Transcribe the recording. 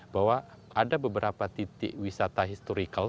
bahwa ada beberapa titik wisata historical